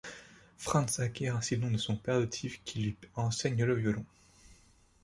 Franz acquiert ainsi le nom de son père adoptif qui lui enseigne le violon.